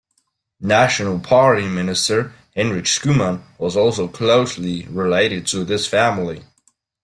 National Party Minister Hendrik Schoeman was also closely related to this family.